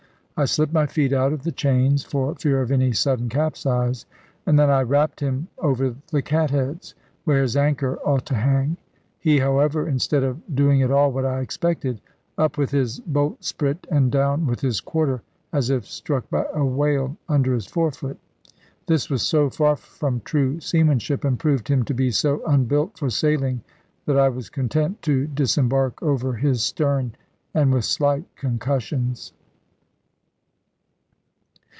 I slipped my feet out of the chains, for fear of any sudden capsize, and then I rapped him over the catheads, where his anchor ought to hang. He, however, instead of doing at all what I expected, up with his bolt sprit and down with his quarter, as if struck by a whale under his forefoot. This was so far from true seamanship, and proved him to be so unbuilt for sailing, that I was content to disembark over his stern, and with slight concussions.